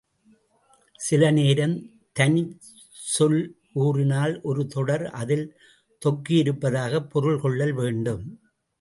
சில நேரம் தனிச்சொல் கூறினால், ஒரு தொடர் அதில் தொக்கியிருப்பதாகப் பொருள் கொள்ளல் வேண்டும்.